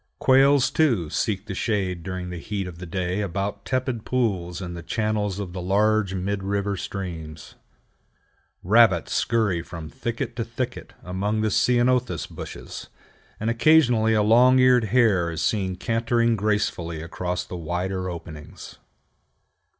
Quails, too, seek the shade during the heat of the day about tepid pools in the channels of the larger mid river streams. Rabbits scurry from thicket to thicket among the ceanothus bushes, and occasionally a long eared hare is seen cantering gracefully across the wider openings.